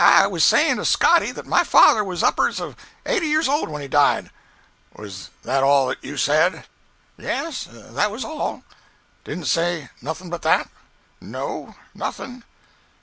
"I was a sayin' to Scotty that my father was up'ards of eighty year old when he died." "Was that all that you said?" "Yes, that was all." "Didn't say nothing but that?" "No—nothing."